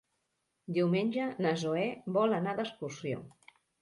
Diumenge na Zoè vol anar d'excursió.